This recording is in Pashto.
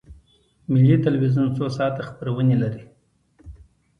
ملي تلویزیون څو ساعته خپرونې لري؟